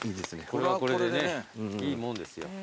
これはこれでねいいもんですよ。